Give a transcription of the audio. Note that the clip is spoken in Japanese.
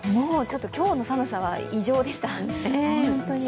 今日の寒さは異常でした。